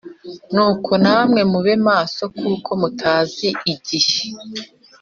Nuko namwe mube maso kuko mutazi igihe